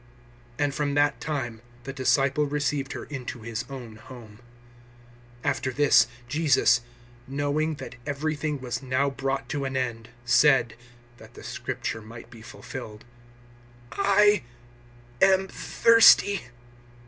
And from that time the disciple received her into his own home. 019:028 After this, Jesus, knowing that everything was now brought to an end, said that the Scripture might be fulfilled, "I am thirsty."